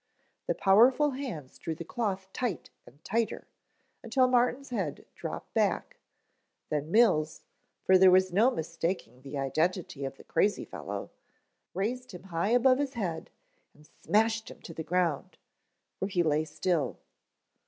The powerful hands drew the cloth tight and tighter, until Martin's head dropped back, then Mills, for there was no mistaking the identity of the crazy fellow, raised him high above his head, and smashed him to the ground, where he lay still.